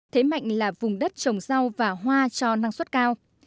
thế mạnh là vùng đất trồng rau và hoa cho năng suất cao